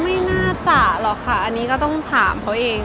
ไม่น่าจะหรอกค่ะอันนี้ก็ต้องถามเขาเอง